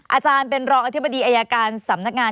อาจารย์เป็นรองอธิบดีอายการสำนักงาน